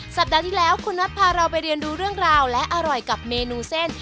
สัปดาห์ที่แล้วคุณน็อตพาเราไปเรียนรู้เรื่องราวและอร่อยกับเมนูเส้น